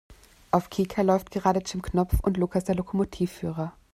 Auf Kika läuft gerade Jim Knopf und Lukas der Lokomotivführer.